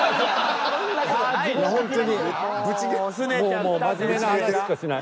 もうもう真面目な話しかしない。